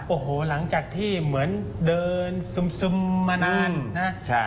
โอ้โหหลังจากที่เหมือนเดินซึมมานานนะ